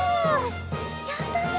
やったね！